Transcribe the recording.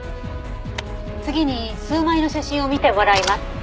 次に数枚の写真を見てもらいます。